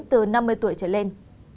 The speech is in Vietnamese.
từ năm mươi tuổi trở lên